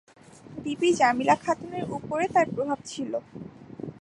বিবি জামিলা খাতুনের উপরে তার প্রভাব ছিল।